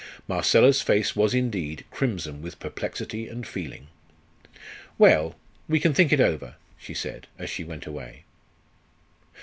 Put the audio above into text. Marcella's face was, indeed, crimson with perplexity and feeling. "Well, we can think it over," she said as she went away.